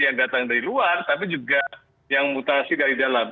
yang datang dari luar tapi juga yang mutasi dari dalam